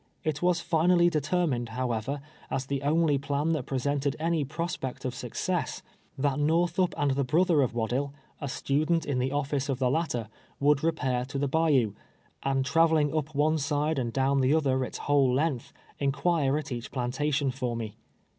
It was finally determined, however, as the only plan that presented any prospect of success, JSTE^ YOKK POLITICS. 295 that Xortlnip and the Lrother of Vraddill, a student in the othce of the hitter, sliouhl repair to the Bayou, and traveling np one side and down the oth.er its whole length. in([nire at each plantation for me.